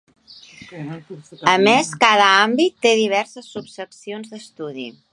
A més, cada àmbit té diverses subseccions d’estudi.